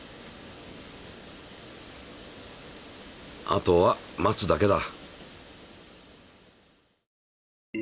あとは待つだけだ。